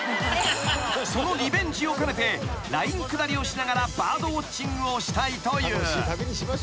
［そのリベンジを兼ねてライン下りをしながらバードウオッチングをしたいという］